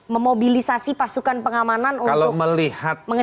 memobilisasi pasukan pengamanan untuk mengendalikan masa